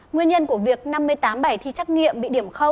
nguyên nhân của việc năm mươi tám bài thi trắc nghiệm bị điểm